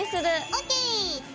ＯＫ。